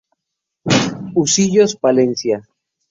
Husillos, Palencia.